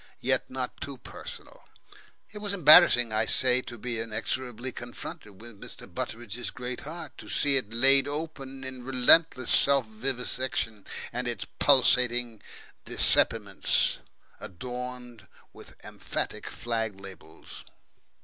Yet not too personal. It was embarrassing, I say, to be inexorably confronted with Mr. Butteridge's great heart, to see it laid open in relentlesss self vivisection, and its pulsating dissepiments adorned with emphatic flag labels.